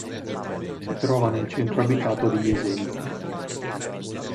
Si trova nel centro abitato di Jesenice.